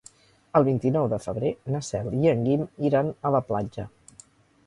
El vint-i-nou de febrer na Cel i en Guim iran a la platja.